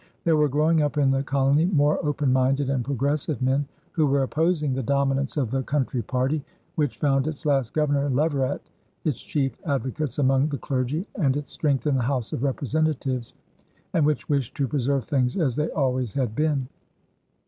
There were growing up in the colony more open minded and progressive men who were opposing the dominance of the country party, which found its last governor in Leverett, its chief advocates among the clergy, and its strength in the House of Representatives, and which wished to preserve things as they always had been.